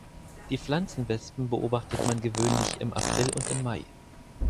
Die Pflanzenwespen beobachtet man gewöhnlich im April und im Mai.